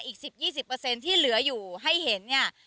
อีก๑๐๒๐ที่เหลืออยู่ให้เห็นเนี่ย